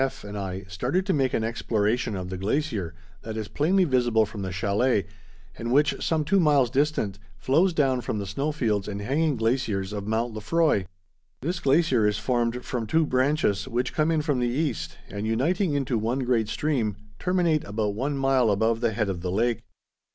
F., and I started to make an exploration of the glacier that is plainly visible from the chalet and which, some two miles distant, flows down from the snow fields and hanging glaciers of Mount Lefroy. This glacier is formed from two branches, which come in from the east, and uniting into one great stream, terminate about one mile above the head of the lake.